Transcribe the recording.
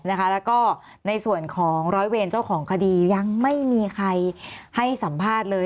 แล้วก็ในส่วนของร้อยเวรเจ้าของคดียังไม่มีใครให้สัมภาษณ์เลย